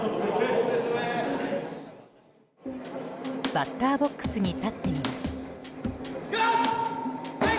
バッターボックスに立ってみます。